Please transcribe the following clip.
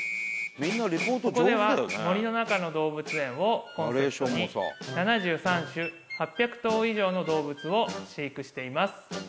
ここでは森の中の動物園をコンセプトに７３種８００頭以上の動物を飼育しています